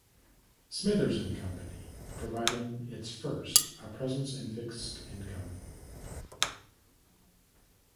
Smithers and Company, providing its first a presence in fixed income.